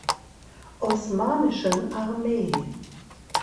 Osmanischen Armee.